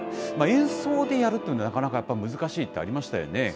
演奏でやるというのは、なかなか難しいってありましたよね。